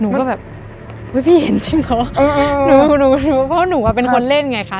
หนูก็แบบเฮ้ยพี่เห็นจริงเหรอหนูรู้เพราะหนูอ่ะเป็นคนเล่นไงคะ